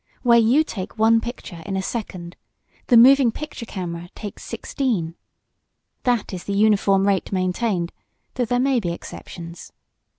Where you take one picture in a second, the moving picture camera takes sixteen. That is the uniform rate maintained, though there may be exceptions.